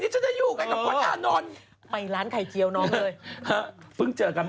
นี่เองแต่เรื่องดุ้งกูตาซะจริงเลยนะ